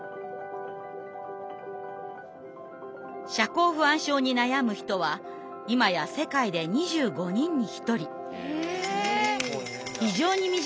社交不安症に悩む人は今や世界で２５人に１人。